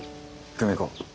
久美子